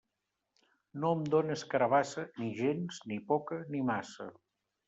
No em dónes carabassa, ni gens, ni poca, ni massa.